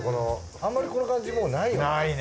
あんまりこの感じもうないよ。ないね。